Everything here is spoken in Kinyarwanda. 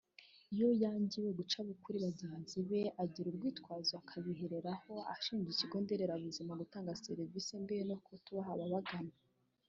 Iyo yangiwe guca kuri bagenzi be abigira urwitwazo akabiheraho ashinja ikigo nderabuzima gutanga serivisi mbi no kutubaha ababagana